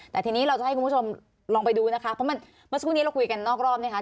แต่ทีนี้เราจะให้คุณผู้ชมลองไปดูนะคะเพราะมันเมื่อสักครู่นี้เราคุยกันนอกรอบนะคะ